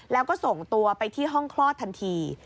แล้วก็ส่งตัวไปที่ห้องคลอดทันที